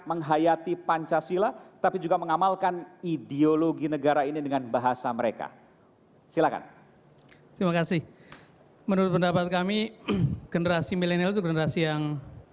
menurut pendapat kami generasi milenial itu generasi yang